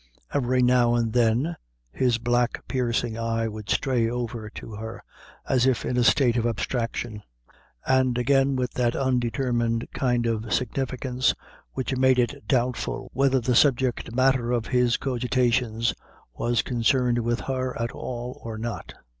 Every now and then his black, piercing eye would stray over to her, as if in a state of abstraction, and again with that undetermined kind of significance which made it doubtful whether the subject matter of his cogitations was connected with her at all or not.